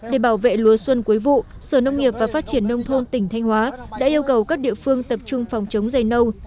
để bảo vệ lúa xuân cuối vụ sở nông nghiệp và phát triển nông thôn tỉnh thanh hóa đã yêu cầu các địa phương tập trung phòng chống dày nâu